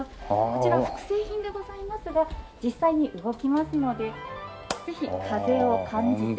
こちら複製品でございますが実際に動きますのでぜひ風を感じてみてください。